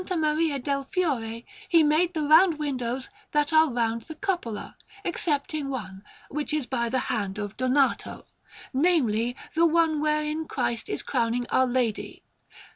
Maria del Fiore he made the round windows that are round the cupola, excepting one, which is by the hand of Donato namely, the one wherein Christ is crowning Our Lady.